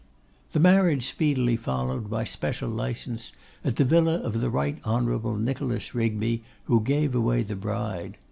The marriage speedily followed, by special license, at the villa of the Right Hon. Nicholas Rigby, who gave away the bride.